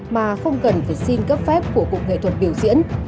mà không cần phải xin cấp phép của cục nghệ thuật biểu diễn